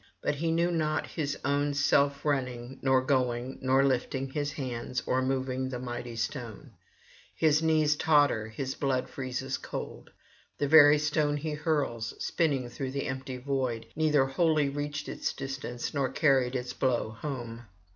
But he knows not his own self running nor going nor lifting his hands or moving the mighty stone; his knees totter, his blood freezes cold; the very stone he hurls, spinning through the empty void, neither wholly reached its distance nor carried its blow home.